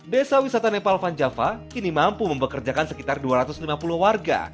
desa wisata nepal van java kini mampu mempekerjakan sekitar dua ratus lima puluh warga